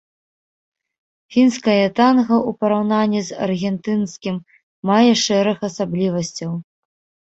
Фінскае танга ў параўнанні з аргентынскім мае шэраг асаблівасцяў.